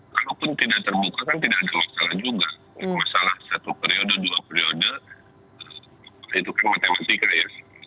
kalaupun tidak terbuka kan tidak ada masalah juga masalah satu periode dua periode itu kan matematika ya